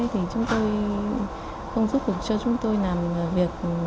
thì chúng tôi không giúp được cho chúng tôi làm việc